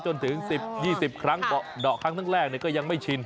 จนถึง๑๐๒๐ครั้งดอกครั้งแรกก็ยังไม่ชิน